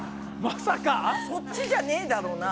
そっちじゃねえだろうな？